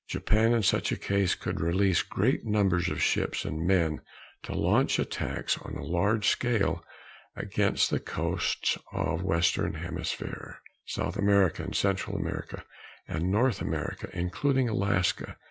Japan in such a case could release great numbers of ships and men to launch attacks on a large scale against the coasts of the Western Hemisphere South America and Central America, and North America including Alaska.